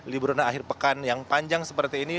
liburan akhir pekan yang panjang seperti ini